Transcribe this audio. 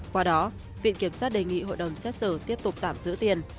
qua đó viện kiểm sát đề nghị hội đồng xét xử tiếp tục tạm giữ tiền